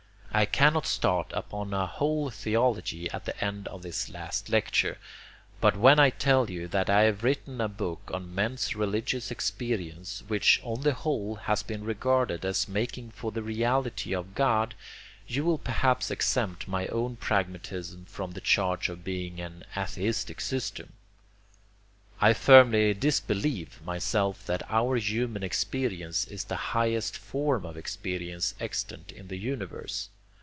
I cannot start upon a whole theology at the end of this last lecture; but when I tell you that I have written a book on men's religious experience, which on the whole has been regarded as making for the reality of God, you will perhaps exempt my own pragmatism from the charge of being an atheistic system. I firmly disbelieve, myself, that our human experience is the highest form of experience extant in the universe.